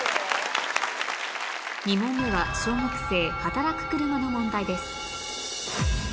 ２問目は小学生はたらくくるまの問題です